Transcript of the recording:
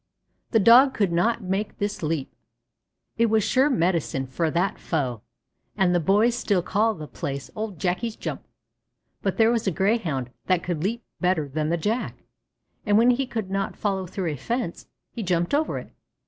The Dog could not make this leap. It was "sure medicine" for that foe, and the boys still call the place "Old Jacky's Jump." But there was a Greyhound that could leap better than the Jack, and when he could not follow through a fence, he jumped over it.